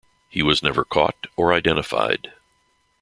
He was never caught or identified.